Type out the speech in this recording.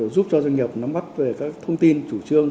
giúp cho doanh nghiệp nắm bắt về các thông tin chủ trương